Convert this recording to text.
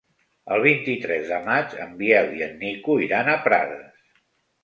El vint-i-tres de maig en Biel i en Nico iran a Prades.